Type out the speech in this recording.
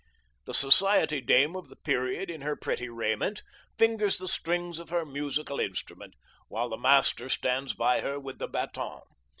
The society dame of the period, in her pretty raiment, fingers the strings of her musical instrument, while the master stands by her with the baton.